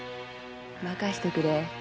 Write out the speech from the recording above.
任せとくれ。